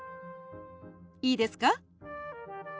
いいですか？